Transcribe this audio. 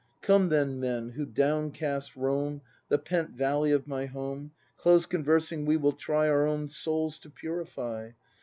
] Come then, Men, who downcast roam The pent valley of my home; — Close conversing we will try Our own souls to purify.